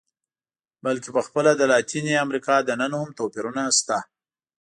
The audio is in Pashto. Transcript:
بلکې په خپله د لاتینې امریکا دننه هم توپیرونه شته.